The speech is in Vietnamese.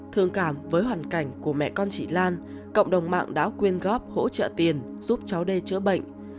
thương cảm với hoàn cảnh của mẹ con chị lan cộng đồng mạng đã quyên góp hỗ trợ tiền giúp cháu đây chữa bệnh